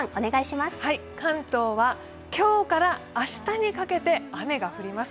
関東は今日から明日にかけて雨が降ります。